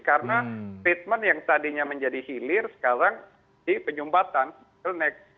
karena treatment yang tadinya menjadi hilir sekarang di penyumbatan bottleneck